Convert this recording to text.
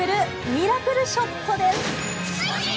ミラクルショットです。